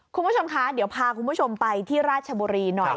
คุณผู้ชมคะเดี๋ยวพาคุณผู้ชมไปที่ราชบุรีหน่อย